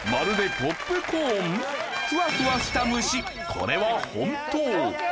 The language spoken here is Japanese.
これは本当。